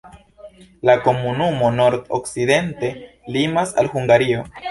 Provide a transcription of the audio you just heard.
La komunumo nord-okcidente limas al Hungario.